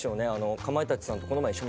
かまいたちさんと。